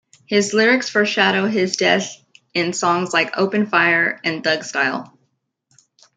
His lyrics foreshadow his death in songs like "Open Fire" and "Thug Style.